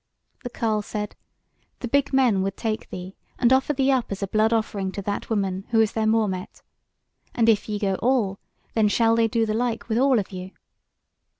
The carle said: "The big men would take thee, and offer thee up as a blood offering to that woman, who is their Mawmet. And if ye go all, then shall they do the like with all of you."